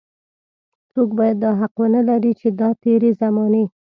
څوک بايد دا حق ونه لري چې د تېرې زمانې.